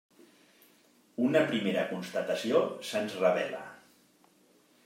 Una primera constatació se'ns revela.